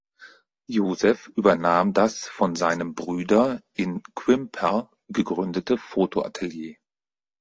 Joseph übernahm das von seinem Brüder in Quimper gegründete Fotoatelier.